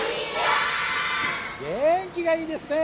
元気がいいですね！